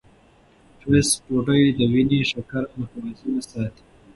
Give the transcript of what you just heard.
ټوسټ ډوډۍ د وینې شکره متوازنه ساتي.